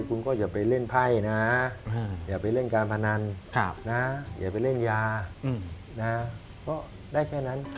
คุณก็อย่าไปเล่นไพ่นะอย่าไปเล่นการพนันอย่าไปเล่นยานะก็ได้แค่นั้น